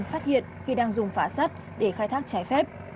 phát hiện khi đang dùng phá sắt để khai thác trái phép